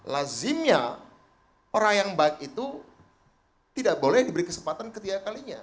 lazimnya orang yang baik itu tidak boleh diberi kesempatan ketiga kalinya